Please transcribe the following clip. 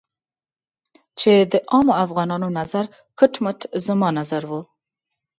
چې د عامو افغانانو نظر کټ مټ زما نظر و.